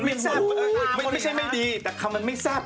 ไม่ใช่ไม่ดีแต่มันไม่แซ่บ